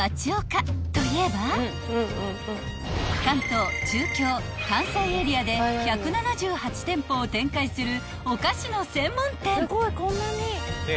［関東中京関西エリアで１７８店舗を展開するおかしの専門店］